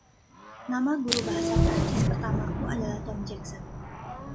Nama guru bahasa Prancis pertamaku adalah Tom Jackson.